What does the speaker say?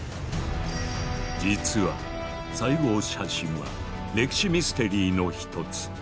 実は「西郷写真」は歴史ミステリーの一つ。